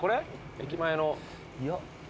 駅前の。